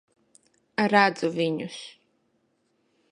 Redzu viņus.